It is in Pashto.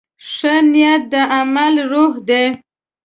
ښه نیت د عمل روح دی.